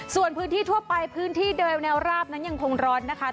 ส่วนพื้นที่ทั่วไปพื้นที่เดิมแนวราบนั้นยังคงร้อนนะคะ